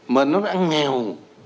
mà nó đã nghèo